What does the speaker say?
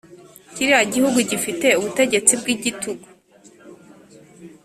kiriya gihugu gifite ubutegetsi bw’igitugu